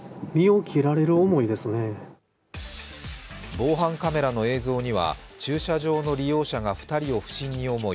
防犯カメラの映像には駐車場の利用者が２人を不審に思い